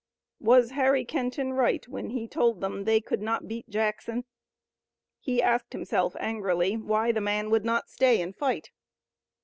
Was Harry Kenton right, when he told them they could not beat Jackson? He asked himself angrily why the man would not stay and fight.